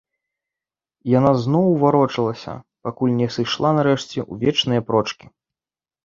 І яна зноў варочалася, пакуль не сышла нарэшце ў вечныя прочкі.